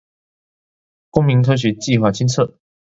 公民科學計畫清冊